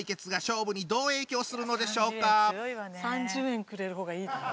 ３０円くれる方がいいな。